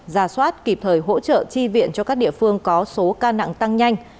giả soát kịp thời hỗ trợ chi viện cho các địa phương có số ca nặng tăng nhanh